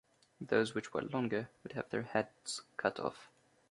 Those which were longer would have their heads cut off.